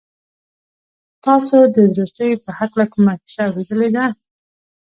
تاسو د زړه سوي په هکله کومه کیسه اورېدلې ده؟